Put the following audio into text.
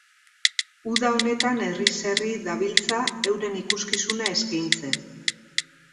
Uda honetan herriz herri dabiltza euren ikuskizuna eskeintzen.